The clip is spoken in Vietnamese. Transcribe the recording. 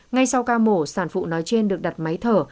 ngay sau ca mổ sản phụ nói trên được đặt máy thở